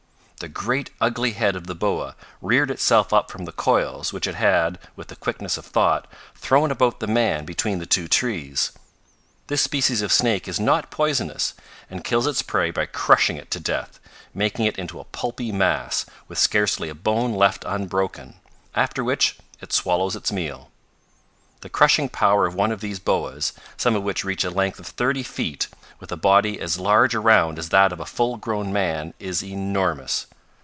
The great, ugly head of the boa reared itself up from the coils which it had, with the quickness of thought, thrown about the man between the two trees. This species of snake is not poisonous, and kills its prey by crushing it to death, making it into a pulpy mass, with scarcely a bone left unbroken, after which it swallows its meal. The crushing power of one of these boas, some of which reach a length of thirty feet, with a body as large around as that of a full grown man, is enormous.